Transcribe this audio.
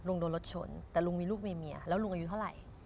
โดนรถชนแต่ลุงมีลูกมีเมียแล้วลุงอายุเท่าไหร่